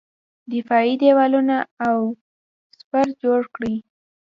دفاعي دېوالونه او سپر جوړ کړي.